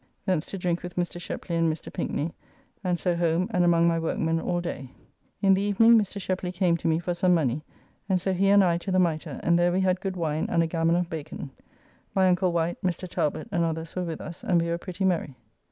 Thence to drink with Mr. Shepley and Mr. Pinkny, and so home and among my workmen all day. In the evening Mr. Shepley came to me for some money, and so he and I to the Mitre, and there we had good wine and a gammon of bacon. My uncle Wight, Mr. Talbot, and others were with us, and we were pretty merry.